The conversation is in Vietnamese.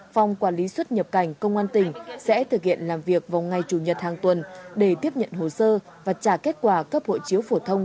phòng quản lý xuất nhập cảnh công an tỉnh sẽ thực hiện làm việc vào ngày chủ nhật hàng tuần để tiếp nhận hồ sơ và trả kết quả cấp hộ chiếu phổ thông